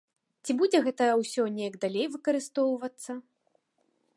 Ці будзе гэта ўсё неяк далей выкарыстоўвацца?